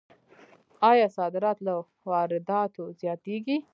آیا صادرات له وارداتو زیاتیږي؟